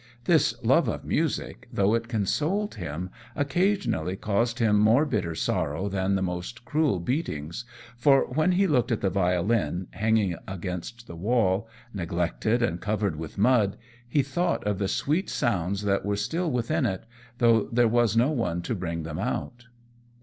This love of music, though it consoled him, occasionally caused him more bitter sorrow than the most cruel beatings; for when he looked at the violin, hanging against the wall, neglected and covered with mud, he thought of the sweet sounds that were still within it, though there was no one to bring them out.